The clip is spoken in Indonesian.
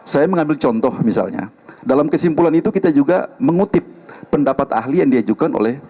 saya mengambil contoh misalnya dalam kesimpulan itu kita juga mengutip pendapat ahli yang diajukan oleh